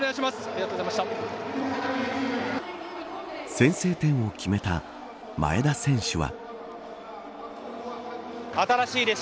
先制点を決めた前田選手は。